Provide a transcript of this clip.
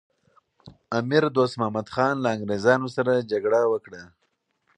امیر دوست محمد خان له انګریزانو سره جګړه وکړه.